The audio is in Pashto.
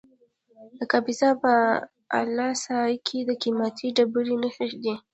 د کاپیسا په اله سای کې د قیمتي ډبرو نښې دي.